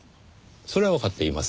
それはわかっています。